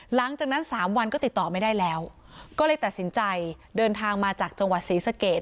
หลังจากนั้นสามวันก็ติดต่อไม่ได้แล้วก็เลยตัดสินใจเดินทางมาจากจังหวัดศรีสเกต